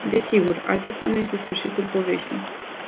Desigur, acesta nu este sfârșitul poveștii.